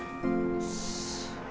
よし。